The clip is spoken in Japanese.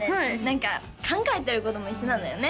何か考えてることも一緒なんだよね